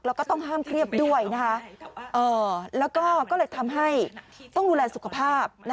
แล้วก็ต้องห้ามเครียดด้วยแล้วก็ก็เลยทำให้ต้องดูแลสุขภาพ